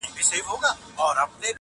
پوهېږم نه، يو داسې بله هم سته,